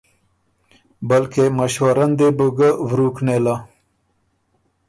بلکې مشورۀ ن دې بو ګۀ ورُوک نېله۔